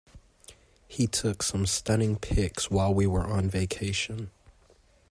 He took some stunning pics while we were on vacation.